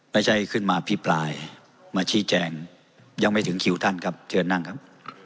ไม่ใช่ขึ้นมาพี่ปลายมาชี้แจงยังไม่ถึงคิวประเทศราจรรย์ครับ